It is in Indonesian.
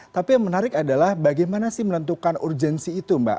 tapi yang menarik adalah bagaimana sih menentukan urgensi itu mbak